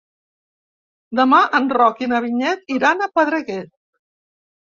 Demà en Roc i na Vinyet iran a Pedreguer.